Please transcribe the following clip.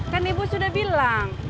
kan ibu sudah bilang